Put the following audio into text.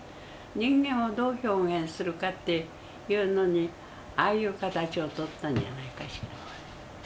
人間をどう表現するかっていうのにああいう形をとったんじゃないかしら。